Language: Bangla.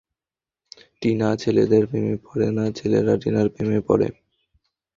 টিনা ছেলেদের প্রেমে পড়ে না, ছেলেরা টিনার প্রেমে পড়ে।